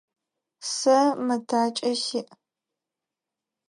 Сэ мэтакӏэ сиӏ.